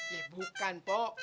ya bukan po